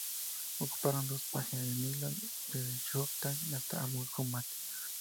Ocuparon los dos márgenes del Nilo, desde Jartum hasta Abu Hamad.